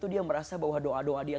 dia merasa bahwa doa doa dia